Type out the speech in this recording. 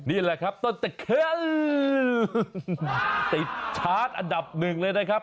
นี่แหละครับต้นตะเคียนติดชาร์จอันดับหนึ่งเลยนะครับ